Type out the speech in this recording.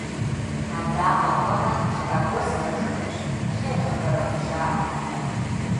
Адакъэр ӏуэмэ, хъыбар гуэр зэхэтхынущ, «хъер, хъыбарыфӏ» жаӏэ.